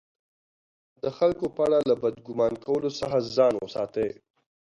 د خلکو په اړه له بد ګمان کولو څخه ځان وساتئ!